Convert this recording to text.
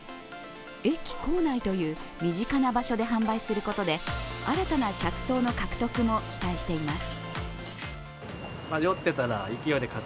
駅構内という身近な場所で販売することで新たな客層の獲得も期待しています。